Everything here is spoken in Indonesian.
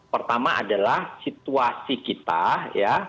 pertama adalah situasi kita ya